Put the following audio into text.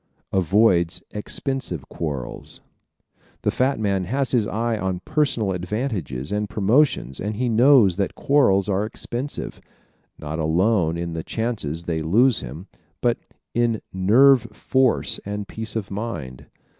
Avoids Expensive Quarrels ¶ The fat man has his eye on personal advantages and promotions and he knows that quarrels are expensive, not alone in the chances they lose him, but in nerve force and peace of mind.